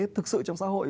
thực sự trong xã hội